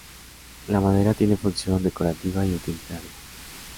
La madera tiene función decorativa y utilitaria.